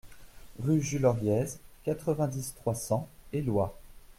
Rue Jules Oriez, quatre-vingt-dix, trois cents Éloie